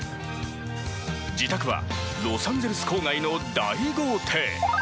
自宅はロサンゼルス郊外の大豪邸。